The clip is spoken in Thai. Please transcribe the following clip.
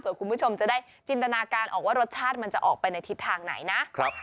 เพื่อคุณผู้ชมจะได้จินตนาการออกว่ารสชาติมันจะออกไปในทิศทางไหนนะ